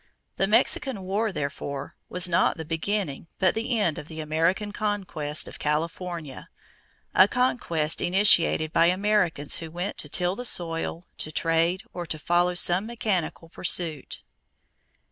The Mexican War, therefore, was not the beginning but the end of the American conquest of California a conquest initiated by Americans who went to till the soil, to trade, or to follow some mechanical pursuit.